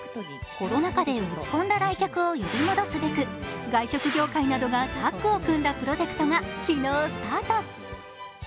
コロナ禍で落ち込んだ来客を呼び戻すべく、外食業界などがタッグを組んだプロジェクトが、昨日スタート。